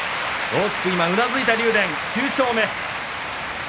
大きくうなずいた竜電９勝目。